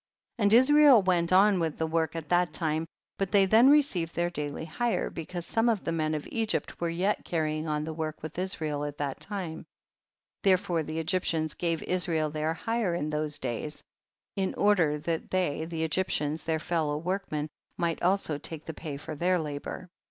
24. And Israel went on with the work at that time, but they then re ceived their daily hire, because some of llie men of Egypt were yet carry ing on the work with Israel at that time ; therefore the Egyptians gave Israel their hire in those days, in order that they, the Egyptians their fellow workmen, might also take the pay for their labour.